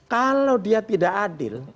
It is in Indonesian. kalau dia tidak adil